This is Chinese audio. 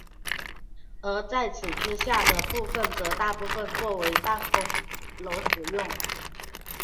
而在此之下的部分则大部分作为办公楼使用。